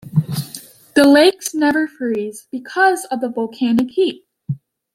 The lakes never freeze because of the volcanic heat.